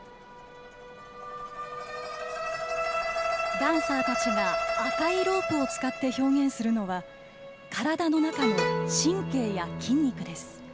ダンサーたちが赤いロープを使って表現するのは体の中の神経や筋肉です。